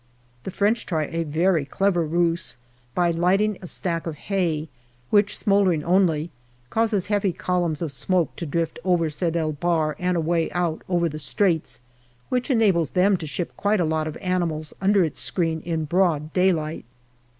The French try a very clever ruse by lighting a stack of hay, which, smouldering only, causes heavy columns of smoke to drift over Sedul Bahr and away out over the Straits, which en ables them to ship quite a lot of animals under its screen JANUARY 1916 315 in broad daylight.